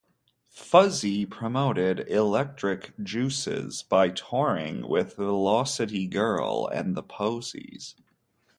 Fuzzy promoted "Electric Juices" by touring with Velocity Girl and the Posies.